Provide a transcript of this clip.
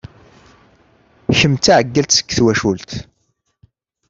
Kemm d taɛeggalt seg twacult.